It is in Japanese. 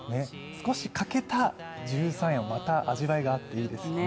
少し欠けた十三夜もまた味わいがあっていいですね。